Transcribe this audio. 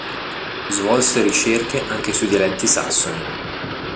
Svolse ricerche anche sui dialetti sassoni.